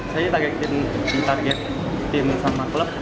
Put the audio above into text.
saya ditargetin sama klub